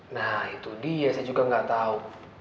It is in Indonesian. nah itu dia saya juga nggak tahu